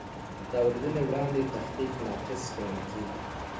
د اورېدنې وړاندې تحقیق ناقص ګڼل کېږي.